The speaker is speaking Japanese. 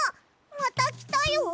またきたよ！